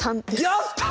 やった！